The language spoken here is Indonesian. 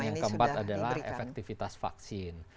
dan yang keempat adalah efektifitas vaksin